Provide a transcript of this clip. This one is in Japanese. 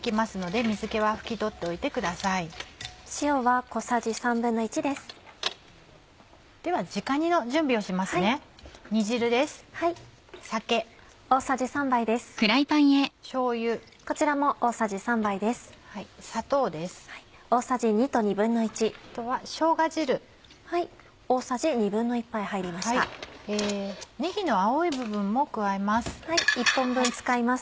ねぎの青い部分も加えます。